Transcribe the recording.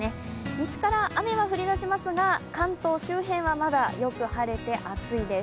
西から雨は降りだしますが関東周辺はまだよく晴れて、暑いです。